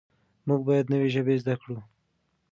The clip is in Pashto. موږ باید نوې ژبې زده کړو.